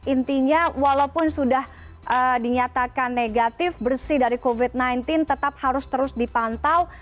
intinya walaupun sudah dinyatakan negatif bersih dari covid sembilan belas tetap harus terus dipantau